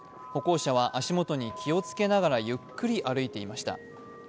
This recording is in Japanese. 歩行者は足元に気を付けながらゆっくり歩いていました。